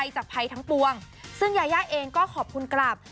จากภัยทั้งปวงซึ่งยายาเองก็ขอบคุณกลับ